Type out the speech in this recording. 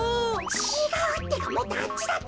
ちがうってかもっとあっちだってか。